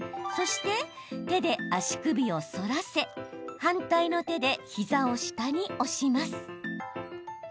そして、手で足首を反らせ反対の手で膝を下に押します。